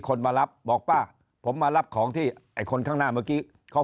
มารับบอกป้าผมมารับของที่ไอ้คนข้างหน้าเมื่อกี้เขา